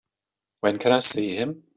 When can I see him?